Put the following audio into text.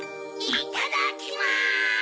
いただきます！